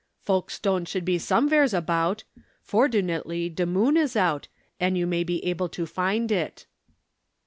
"Folkestone should be someveres about. Fordunately, de moon is out, and you may be able to find it!"